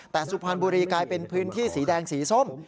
แต่สุพรรณบุรีกลายเป็นพื้นที่สีแดงสีส้ม